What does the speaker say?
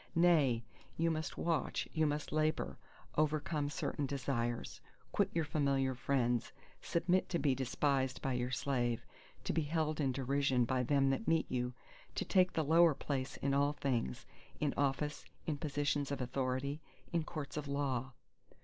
Nay, you must watch, you must labour; overcome certain desires; quit your familiar friends, submit to be despised by your slave, to be held in derision by them that meet you, to take the lower place in all things, in office, in positions of authority, in courts of law.